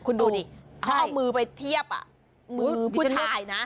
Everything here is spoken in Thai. คุณดูดิเขาเอามือไปเทียบมือผู้ชายนะ